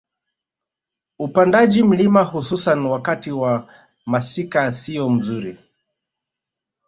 Upandaji mlima hususan wakati wa masika siyo mzuri